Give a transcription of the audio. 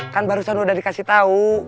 kan barusan udah dikasih tahu